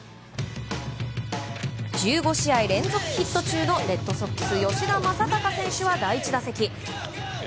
１５試合連続ヒット中のレッドソックス、吉田正尚選手は第１打席。